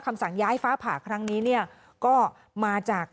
คำสั่งย้ายฟ้าผ่าครั้งนี้เนี่ยก็มาจาก